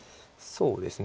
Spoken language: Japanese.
そうですね。